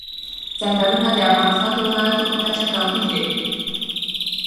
ځنګلونه د افغانستان د ولایاتو په کچه توپیر لري.